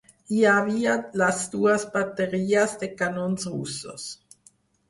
Hi havia les dues bateries de canons russos